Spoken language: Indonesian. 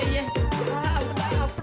ya ampun ya ampun